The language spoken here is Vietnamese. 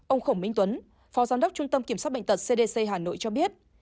ông khổng minh tuấn phó giám đốc trung tâm kiểm soát bệnh tật cdc hà nội cho biết